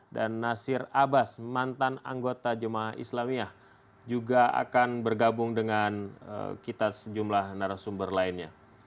dan nasir abbas mantan anggota jemaah islamiyah juga akan bergabung dengan kita sejumlah narasumber lainnya